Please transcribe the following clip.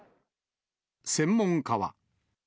専門家は。